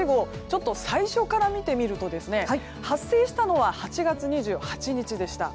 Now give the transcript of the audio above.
ちょっと最初から見てみると発生したのは８月２８日でした。